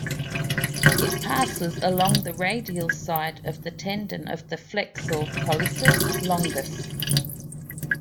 It passes along the radial side of the tendon of the flexor pollicis longus.